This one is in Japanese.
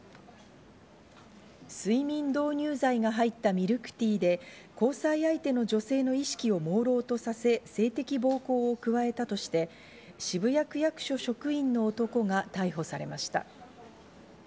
睡眠導入剤が入ったミルクティーで交際相手の女性の意識をもうろうとさせ性的暴行を加えたとして、渋谷区役所職員の男が逮捕されました。